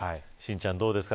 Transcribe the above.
心ちゃん、どうですか